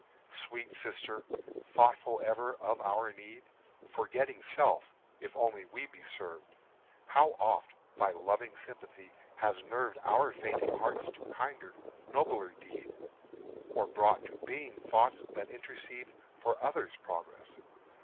Sweet sister, thoughtful ever of our need, Forgetting self, if only we be served, How oft thy loving sympathy has nerved Our fainting hearts to kinder, nobler deed, Or brought to being thoughts that intercede For others' progress.